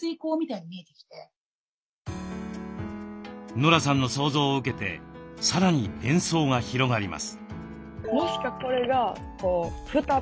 ノラさんの想像を受けてさらに連想が広がります。